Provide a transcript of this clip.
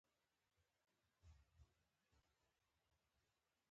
مچمچۍ د خندا او خوږوالي سمبول ده